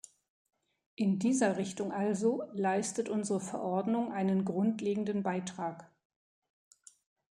In dieser Richtung also leistet unsere Verordnung einen grundlegenden Beitrag.